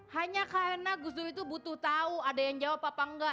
hanya karena gus dur itu butuh tahu ada yang jawab apa enggak